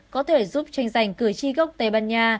có thể giúp tranh giành cử tri gốc tây ban nha